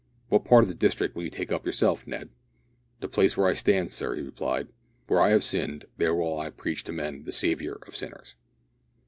What part of the district will you take up yourself, Ned?" "The place where I stand, sir," he replied. "Where I have sinned there will I preach to men the Saviour of sinners."